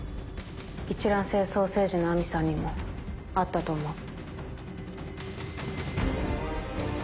一卵性双生児の亜美さんにもあったと思う。